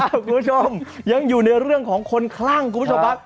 คุณผู้ชมยังอยู่ในเรื่องของคนคลั่งคุณผู้ชมครับ